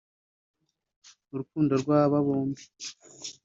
urukundo rw’aba bombi